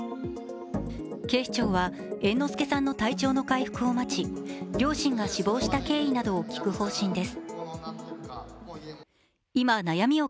警視庁は猿之助さんの体調の回復を待ち両親が死亡した経緯などを聞く方針です。